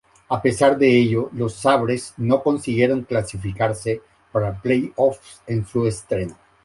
A pesar de ello, los Sabres no consiguieron clasificarse para playoffs en su estreno.